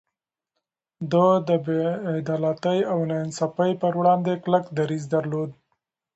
ده د بې عدالتۍ او ناانصافي پر وړاندې کلک دريځ درلود.